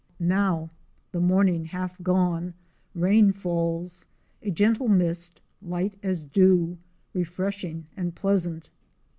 Now, the morning half gone, rain falls —a gentle mist, light as dew, refreshing and pleasant.